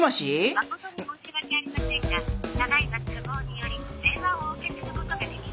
「誠に申し訳ありませんがただ今都合により電話をお受けすることができません」